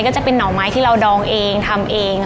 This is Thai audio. ก็จะเป็นห่อไม้ที่เราดองเองทำเอง